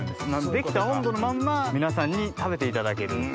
出来た温度のまんま皆さんに食べていただける。